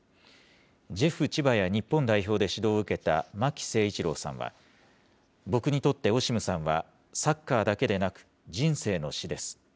ジェフ千葉や日本代表で指導を受けた巻誠一郎さんは、僕にとってオシムさんは、サッカーだけでなく、人生の師です。